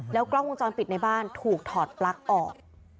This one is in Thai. กล้องวงจรปิดในบ้านถูกถอดปลั๊กออก